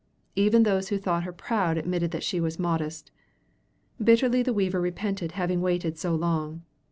Even those who thought her proud admitted that she was modest. Bitterly the weaver repented having waited so long.